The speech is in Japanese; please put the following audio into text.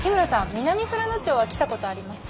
南富良野町は来たことありますか？